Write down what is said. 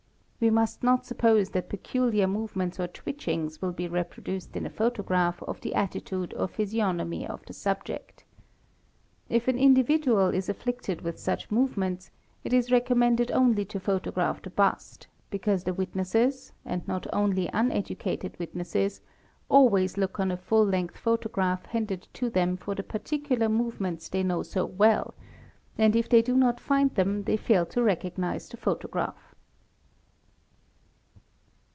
We must / not suppose that peculiar movements or twitchings will be reproduced . in a photograph of the attitude or physiognomy of the subject. If an | individual is afflicted with such movements, it is recommended only to | photograph the bust, because the witnesses, and not only uneducated witnesses, always look on a full length photograph handed to them for _ the particular movements they know so well, and if they do not find them : they fail to recognize the photograph.